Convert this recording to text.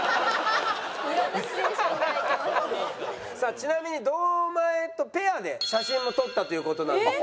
ちなみに堂前とペアで写真も撮ったという事なんですよ。